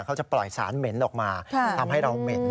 เขาจะปล่อยสารเหม็นออกมาทำให้เราเหม็น